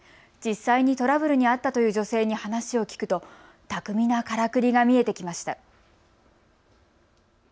実際にトラブルに遭ったという女性に話を聞くと巧みなからくりが見えてきました。